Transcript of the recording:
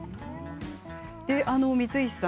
光石さん